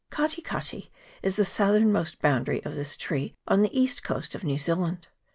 Kati Kati is the southernmost boundary of this tree on the east coast of New Zealand.